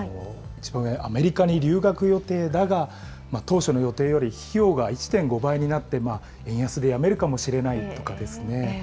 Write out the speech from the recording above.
一番上、アメリカに留学予定だが、当初の予定より費用が１．５倍になって、円安でやめるかもしれないとかですね。